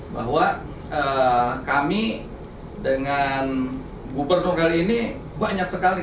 bahwa kami dengan gubernur kali ini banyak sekali